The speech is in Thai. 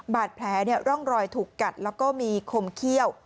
บาดแผลร่องรอยถูกกัดแล้วก็มีคมเขี้ยว